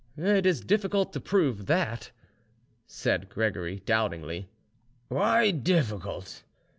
"It is difficult to prove that," said Gregory doubtingly. "Why difficult?